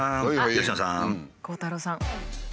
鋼太郎さん。